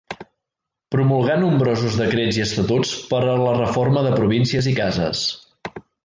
Promulgà nombrosos decrets i estatuts per a la reforma de províncies i cases.